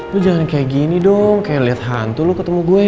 lo jangan kayak gini dong kayak lihat hantu lu ketemu gue